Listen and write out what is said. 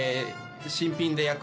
新品で約。